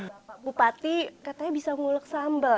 bapak bupati katanya bisa ngulek sambal